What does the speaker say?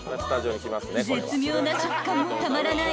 ［絶妙な食感もたまらない